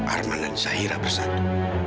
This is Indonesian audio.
arman dan zahira bersatu